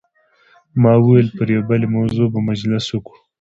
ما وویل پر یوې بلې موضوع به مجلس وکړو.